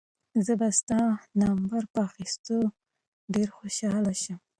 زه به ستا د نمبر په اخیستلو ډېر خوشحاله شم.